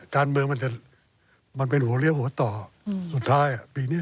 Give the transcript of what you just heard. การเมืองมันจะมันเป็นหัวเลี้ยวหัวต่อสุดท้ายปีนี้